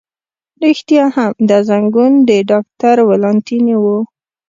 رښتیا هم، دا زنګون د ډاکټر ولانتیني و.